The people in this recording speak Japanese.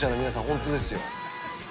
ホントですよ。